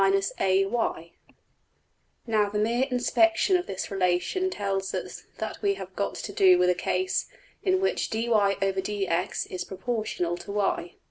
png}% Now the mere inspection of this relation tells us that we have got to do with a case in which $\dfrac{dy}{dx}$ is proportional to~$y$.